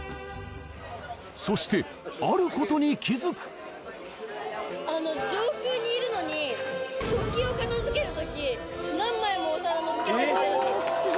そしてあることに気付く上空にいるのに食器を片付ける時何枚もお皿のっけたりして。